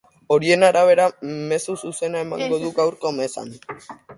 Horien arabera, mezu zuzena emango du gaurko mezan.